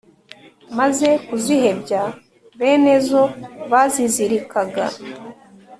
maze kuzihebya bene zo bazizirikaga,